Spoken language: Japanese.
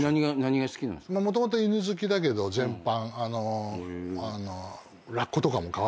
もともと犬好きだけど全般。